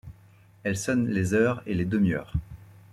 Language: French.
Elle sonne les heures et les demi-heures.